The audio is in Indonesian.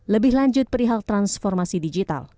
lebih lanjut perihal transformasi digital